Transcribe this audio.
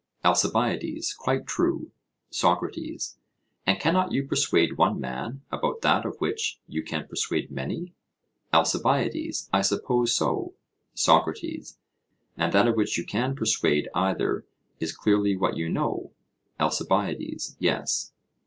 ALCIBIADES: Quite true. SOCRATES: And cannot you persuade one man about that of which you can persuade many? ALCIBIADES: I suppose so. SOCRATES: And that of which you can persuade either is clearly what you know? ALCIBIADES: Yes.